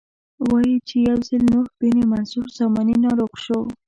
وایي چې یو ځل نوح بن منصور ساماني ناروغ شو.